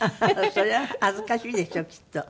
そりゃ恥ずかしいでしょうきっと。